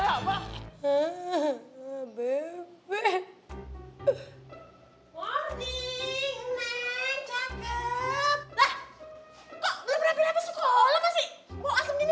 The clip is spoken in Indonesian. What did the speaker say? kok berapa sekolah sih